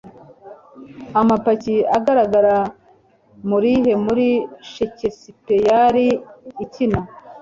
Amapaki agaragara Murihe muri Shakespears ikina